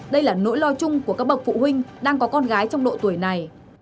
đây là nỗi lo chung của các bậc phụ huynh đang có con gái trong độ tuổi này